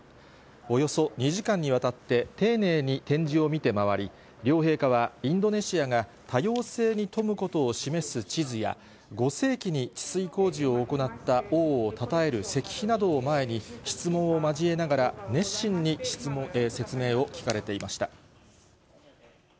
およそ２時間にわたって丁寧に展示を見て回り、両陛下は、インドネシアが多様性に富むことを示す地図や、５世紀に治水工事を行った王をたたえる石碑などを前に、質問を交えながら、熱心に説明を聞かれていました。